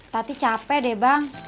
tati capek deh bang